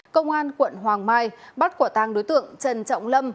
công an quận hoàng mai bắt quả tàng đối tượng trần trọng lâm